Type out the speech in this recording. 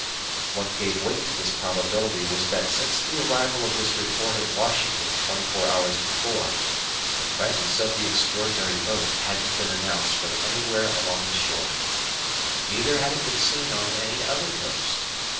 What gave weight to this probability was that since the arrival of this report at Washington twenty four hours before, the presence of the extraordinary boat hadn't been announced from anywhere along the shore. Neither had it been seen on any other coast.